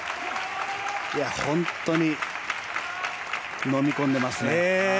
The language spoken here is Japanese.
本当にのみ込んでますね。